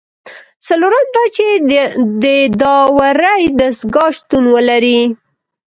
څلورم دا چې د داورۍ دستگاه شتون ولري.